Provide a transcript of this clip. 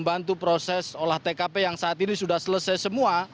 membantu proses olah tkp yang saat ini sudah selesai semua